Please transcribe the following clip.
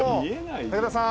竹田さん。